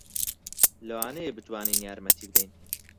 لەوانەیە بتوانین یارمەتی بدەین.